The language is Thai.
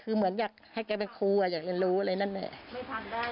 คือเหมือนอยากให้แกไปครูอยากจะรู้อะไรงั้นแหละ